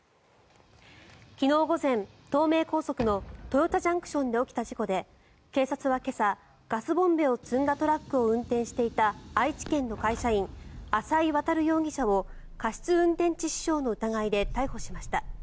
昨日午前、東名高速の豊田ＪＣＴで起きた事故で警察は今朝、ガスボンベを積んだトラックを運転していた愛知県の会社員、浅井渉容疑者を過失運転致死傷の疑いで逮捕しました。